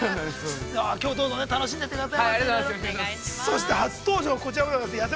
きょうはどうぞ楽しんでいってくださいませ。